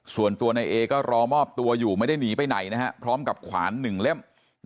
ส่วนตัวนายเอก็รอมอบตัวอยู่ไม่ได้หนีไปไหนพร้อมกับขวาน๑เล่ม